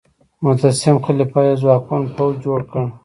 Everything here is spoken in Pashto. مستعصم خلیفه یو ځواکمن پوځ جوړ کړ.